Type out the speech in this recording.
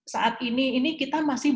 saat ini kita masih